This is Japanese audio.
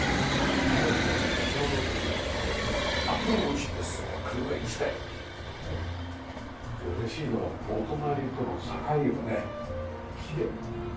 入るのはのちほどという事でアプローチですが車１台。で嬉しいのはお隣との境をね木で。